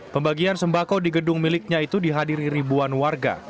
pembagian sembako di gedung miliknya itu dihadiri ribuan warga